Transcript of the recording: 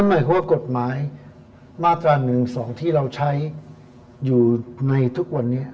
หมายความว่ากฎหมายมาตรา๑๒ที่เราใช้อยู่ในทุกวันนี้